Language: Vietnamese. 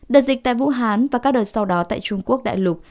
đợt dịch tại vũ hán và các đợt sau đó tại trung quốc đại lục